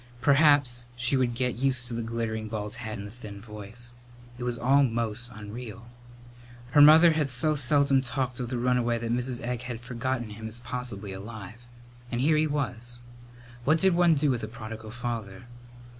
Perhaps she would get used to the glittering bald head and the thin voice. It was all most unreal. Her mother had so seldom talked of the runaway that Mrs. Egg had forgotten him as possibly alive. And here he was! What did one do with a prodigal father?